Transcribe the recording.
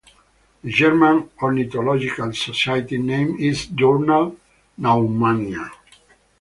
The German ornithological society named its journal "Naumannia".